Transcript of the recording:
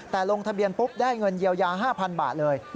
แต่ลงทะเบียนปุ๊บได้เงินเยียวยา๕๐๐บาทเลย